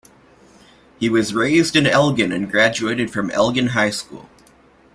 He was raised in Elgin and graduated from Elgin High School.